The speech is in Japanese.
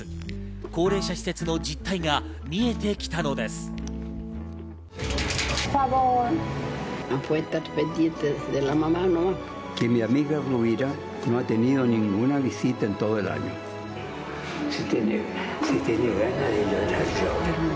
高齢者施設の実態が見えてきたのです。